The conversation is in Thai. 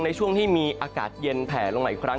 ในช่วงที่มีอากาศเย็นแผลลงมาอีกครั้ง